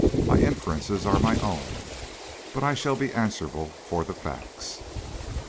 My inferences are my own, but I shall be answerable for the facts.